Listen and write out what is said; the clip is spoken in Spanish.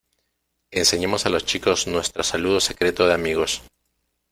Enseñemos a los chicos nuestro saludo secreto de amigos.